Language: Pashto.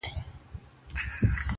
چوپتيا کله کله له هر غږ څخه درنه وي ډېر